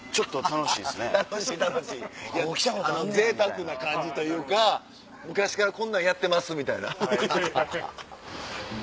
楽しい楽しいいやぜいたくな感じというか昔からこんなんやってますみたいな。